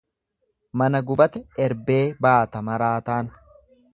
Mana gubate erbee baata maraataan.